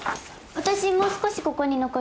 私もう少しここに残る。